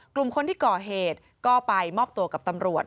กลุ่มคนที่ก่อเหตุก็ไปมอบตัวกับตำรวจ